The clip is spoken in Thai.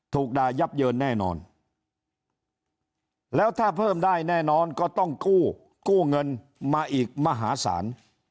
ถูกด่ายับเยินแน่นอนแล้วถ้าเพิ่มได้แน่นอนก็ต้องกู้กู้เงินมาอีกมหาศาล